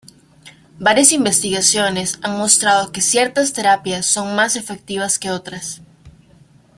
Varias investigaciones han mostrado que ciertas terapias son más efectivas que otras.